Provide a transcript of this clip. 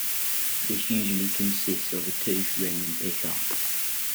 It usually consists of a toothed ring and pickup.